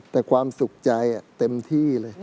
แต่ความสุขใจเต็มที่เลย